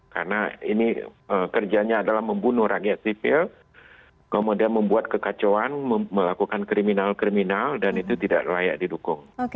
karena ini kerjanya adalah membunuh rakyat sipil kemudian membuat kekacauan melakukan kriminal kriminal dan itu tidak layak didukung